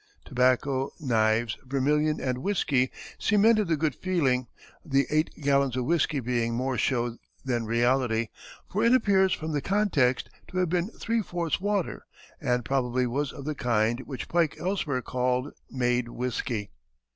Tobacco, knives, vermilion, and whiskey cemented the good feeling, the eight gallons of whiskey being more show than reality; for it appears from the context to have been three fourths water, and probably was of the kind which Pike elsewhere called "made whiskey."